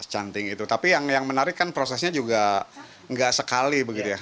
cantik itu tapi yang menarik kan prosesnya juga nggak sekali begitu ya